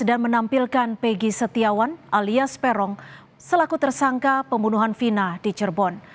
dan menampilkan peggy setiawan alias perong selaku tersangka pembunuhan fina di cerbon